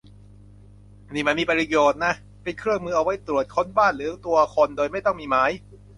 นี่มันมีประโยชน์นะ - เป็นเครื่องมือเอาไว้ตรวจค้นบ้านหรือตัวคนโดยไม่ต้องมีหมาย